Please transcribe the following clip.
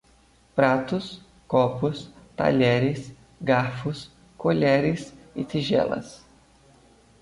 Pratos, copos, talheres, garfos, colheres e tigelas